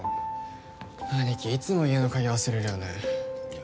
兄貴いつも家の鍵忘れるよねいや